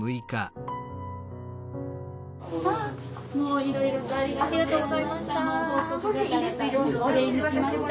いろいろとありがとうございました。